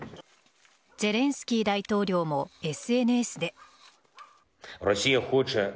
ゼレンスキー大統領もＳＮＳで。